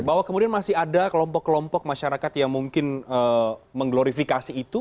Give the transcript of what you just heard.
bahwa kemudian masih ada kelompok kelompok masyarakat yang mungkin mengglorifikasi itu